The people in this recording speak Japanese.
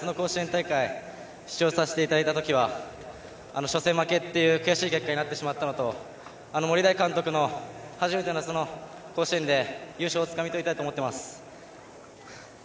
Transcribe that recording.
前回夏の甲子園大会出場させていただいたときは初戦負けという悔しい結果になってしまったので森大監督の初めての甲子園で優勝をつかみ取りたいと思っています。